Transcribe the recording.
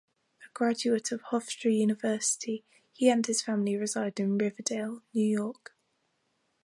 A graduate of Hofstra University, he and his family reside in Riverdale, New York.